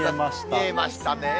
見えましたね。